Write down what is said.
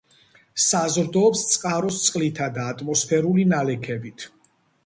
საზრდოობს წყაროს წყლითა და ატმოსფერული ნალექებით.